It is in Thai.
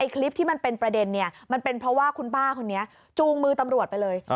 คลิปที่มันเป็นประเด็นมันเป็นเพราะว่าคุณป้าคนนี้จูงมือตำรวจไปเลย